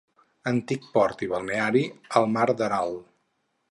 Antic port i balneari al mar d'Aral.